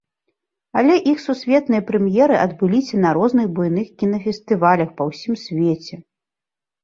Але іх сусветныя прэм'еры адбыліся на розных буйных кінафестывалях па ўсім свеце.